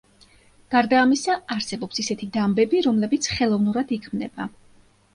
გარდა ამისა, არსებობს ისეთი დამბები, რომლებიც ხელოვნურად იქმნება.